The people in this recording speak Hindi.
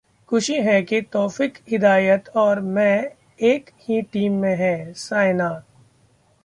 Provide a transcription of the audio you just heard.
खुशी है कि तौफीक हिदायत और मैं एक ही टीम में हैं: साइना